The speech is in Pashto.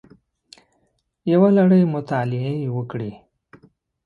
یوه لړۍ مطالعې یې وکړې